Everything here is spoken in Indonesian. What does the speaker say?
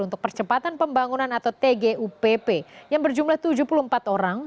untuk percepatan pembangunan atau tgupp yang berjumlah tujuh puluh empat orang